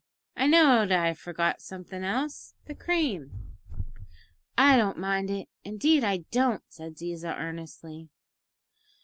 I knowed I forgot somethin' else the cream!" "I don't mind it, indeed I don't," said Ziza earnestly.